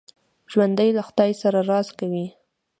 ژوندي له خدای سره راز کوي